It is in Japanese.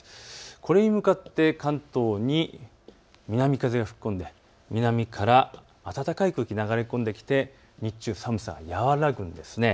これに向かって関東に南風が吹き込んで南から暖かい空気が流れ込んできて、日中寒さが和らぐんです。